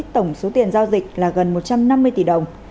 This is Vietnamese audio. tổng số tiền giao dịch là gần một trăm năm mươi tỷ đồng